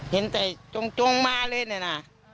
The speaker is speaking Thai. เห็นแต่จงมาเลยเนี่ยนะ